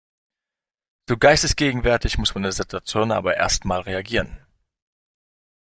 So geistesgegenwärtig muss man in der Situation aber erst mal reagieren.